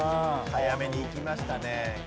早めにいきましたね。